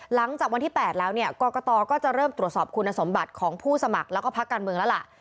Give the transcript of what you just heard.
หลังจากวันที่๘แล้วเนี่ยกรกตก็จะเริ่มตรวจสอบคุณสมบัติของผู้สมัครแล้วก็พักการเมืองแล้วล่ะ